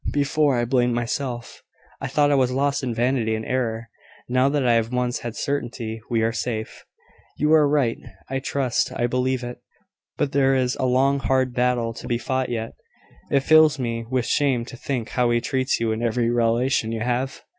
Before, I blamed myself I thought I was lost in vanity and error: now that I have once had certainty, we are safe." "You are right, I trust I believe it. But there is a long hard battle to be fought yet. It fills me with shame to think how she treats you in every relation you have.